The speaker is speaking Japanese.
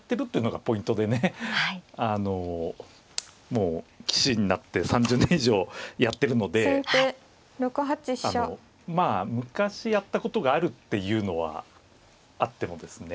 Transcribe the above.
もう棋士になって３０年以上やってるのでまあ昔やったことがあるっていうのはあってもですね